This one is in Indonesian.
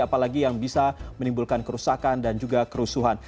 apalagi yang bisa menimbulkan kerusakan dan juga kerusuhan